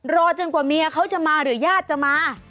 รอจนกว่าเมียเขาจะมาหรือญาติจะมา